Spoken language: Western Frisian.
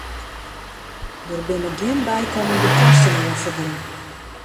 Der binne gjin bykommende kosten oan ferbûn.